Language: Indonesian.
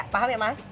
paham ya mas